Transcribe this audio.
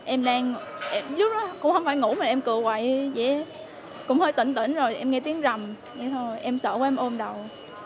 em đang lúc đó cũng không phải ngủ mà em cười hoài vậy cũng hơi tỉnh tỉnh rồi em nghe tiếng rầm em sợ quá em ôm đầu